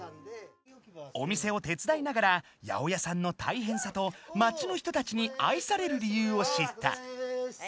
お店を手伝いながら八百屋さんのたいへんさと町の人たちに愛される理由を知った。